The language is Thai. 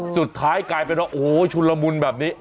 สุดท้ายกลายเป็นว่าโอ้โหชุนละมุนแบบนี้